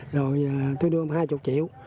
rồi tôi đưa ông hai mươi triệu